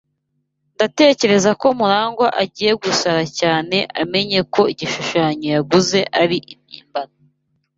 Ndatekereza ko MuragwA agiye gusara cyane amenye ko igishushanyo yaguze ari impimbano.